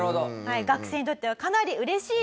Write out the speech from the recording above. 学生にとってはかなり嬉しいです。